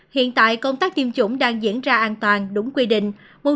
hiện tại công tác tiêm chủng đang diễn ra an toàn đúng quy định